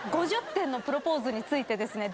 ５０点のプロポーズについてですね